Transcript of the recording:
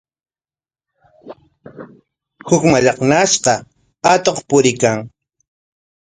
Huk mallaqnashqa atuq puriykan.